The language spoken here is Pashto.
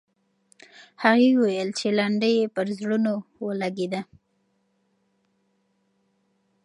هغې وویل چې لنډۍ یې پر زړونو ولګېده.